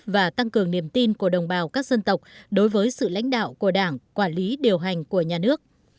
và tăng cường niềm tin của đồng bào các dân tộc đối với sự lãnh đạo của đảng quản lý điều hành của nhà nước